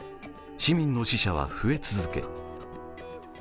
市民の死者は増え続け